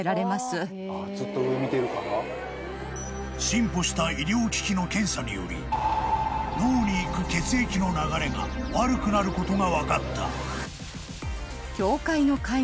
［進歩した医療機器の検査により脳に行く血液の流れが悪くなることが分かった］